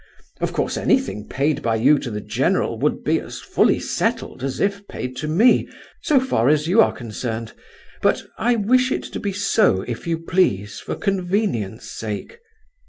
Of course anything paid by you to the general would be as fully settled as if paid to me, so far as you are concerned; but I wish it to be so, if you please, for convenience' sake.